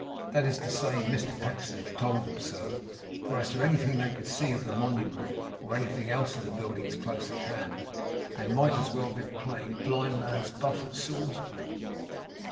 That is to say, Mr Pecksniff told them so; for as to anything they could see of the Monument, or anything else but the buildings close at hand, they might as well have been playing blindman's buff at Salisbury.